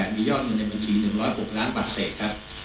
มียอดเงินในบัญชี๑๐๖ล้านบาทเศษครับ